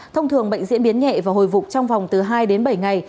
thông thường bệnh diễn biến nhẹ và hồi phục trong vòng từ hai đến bảy ngày